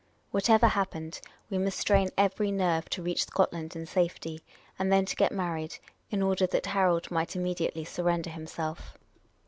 Whatever happened, we must strain every nerve to reach Scotland in safetj% and then to get married, in order that Harold might immediately surrender himself.